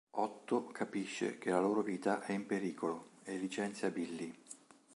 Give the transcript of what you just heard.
Otto capisce che la loro vita è in pericolo, e licenzia Billy.